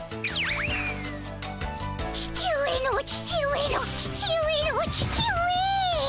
父上の父上の父上の父上。